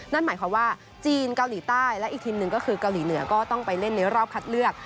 นั่นหมายความว่าจีนเกาหลีใต้และอีกทีมหนึ่งก็คือเกาหลีเหนือก็ต้องไปเล่นในรอบคัดเลือก